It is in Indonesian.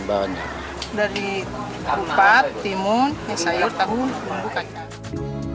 dari empat timun sayur tahu bumbu kacang